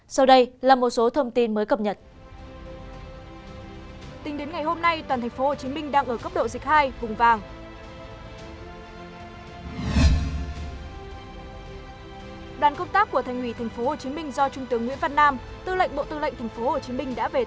sau đây là một số thông tin mới cập nhật